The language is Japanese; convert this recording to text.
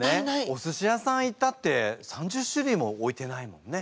おすし屋さん行ったって３０種類も置いてないもんね。